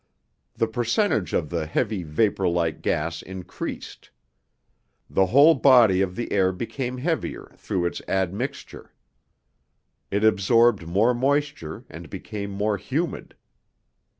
The percentage of the heavy, vapor like gas increased. The whole body of the air became heavier through its admixture. It absorbed more moisture and became more humid.